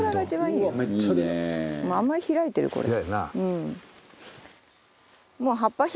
まあまあ開いてるこれ。